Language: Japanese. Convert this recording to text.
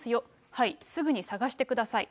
はい、すぐに、探してください。